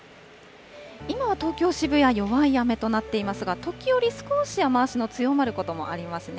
今は東京・渋谷、弱い雨となっていますが、時折、少し雨足の強まることもありますね。